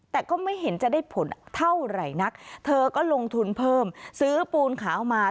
แต่ก็ไม่เห็นจะได้ผลเท่าไหร่นักเธอก็ลงทุนเพิ่มซื้อปูนขาวมา